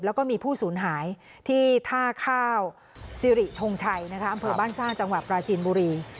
แล้วก็มีผู้สูญหายที่ท่าข้าวสิริทงชัยอำเภอบ้านสร้างจังหวัดปราจีนบุรี